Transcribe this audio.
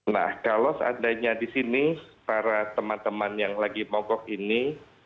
nah kalau seandainya di sini para teman teman yang lagi mogok ini